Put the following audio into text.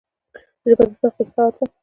ژبه د ذوق اظهار ده